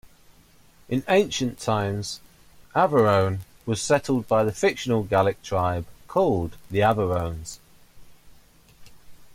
In ancient times, Averoigne was settled by the fictional Gallic tribe called the Averones.